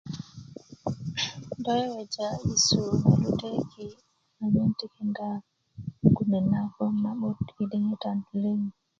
do wewja' yesu ma ludööki' anyen mugun net na gboŋ na'but yi diŋitan liŋ